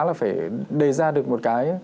là phải đề ra được một cái